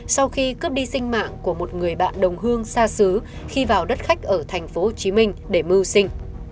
sinh mạng của một người bạn đồng hương xa xứ khi vào đất khách ở thành phố hồ chí minh để mưu sinh